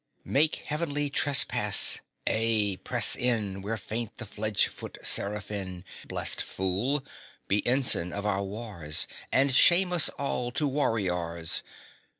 Make heavenly trespass; ay, press in Where faint the fledge foot seraphin, Blest fool! Be ensign of our wars, And shame us all to warriors!